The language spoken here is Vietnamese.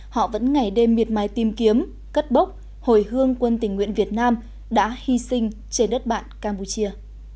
họ vẫn ngày đêm miệt mái tìm kiếm cất bốc hồi hương quân tình nguyện việt nam đã hy sinh trên đất bạn campuchia